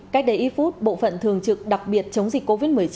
cách đây ít phút bộ phận thường trực đặc biệt chống dịch covid một mươi chín